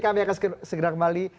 kami akan segera kembali